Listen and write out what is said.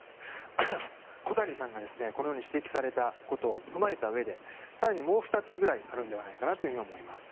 小谷さんが指摘されたことを踏まえたうえで更にもう２つくらいあるのではないかと思います。